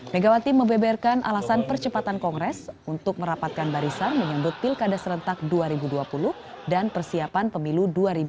megawati mebeberkan alasan percepatan kongres untuk merapatkan barisan menyambut pilkada serentak dua ribu dua puluh dan persiapan pemilu dua ribu dua puluh